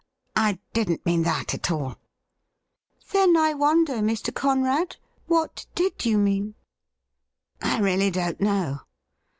' I didn't mean that at all !'' Then I wonder, Mr. Conrad, what did you mean ?' 'I really don't know.